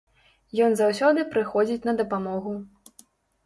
Ён заўсёды прыходзіць на дапамогу.